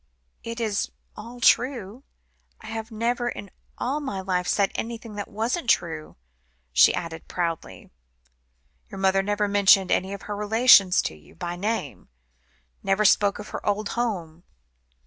It is all true. I have never in all my life said anything that wasn't true," she added proudly. "Your mother never mentioned any of her relations to you, by name? Never spoke of her old home?"